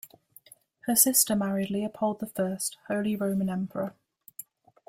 Her sister married Leopold the First, Holy Roman Emperor.